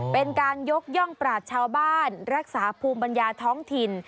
เป็นการยกย่องปราศชาวบ้านรักษาภูมิปัญญาท้องถิ่น